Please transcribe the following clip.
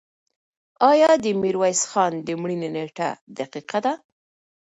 آیا د میرویس خان د مړینې نېټه دقیقه ده؟